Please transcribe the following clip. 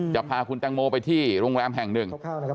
จะพาคุณแตงโมไปที่โรงแรมแห่งหนึ่ง